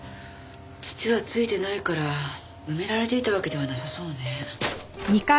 土は付いてないから埋められていたわけではなさそうね。